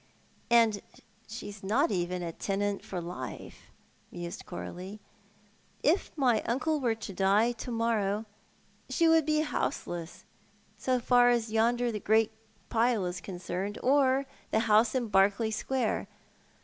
•• And sho is not even tenant for life,*' mused Coralie. " If my uncle were to die to muxnjw she Avould l>e houseless — so far as yonder great grey pile is concerned — or the house iu Berkeley Square.